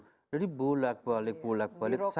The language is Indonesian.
jadi bolak balik bolak balik